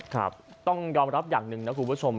ครับต้องยอมรับอย่างหนึ่งนะคุณผู้ชม